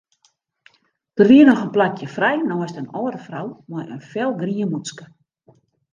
Der wie noch in plakje frij neist in âlde frou mei in felgrien mûtske.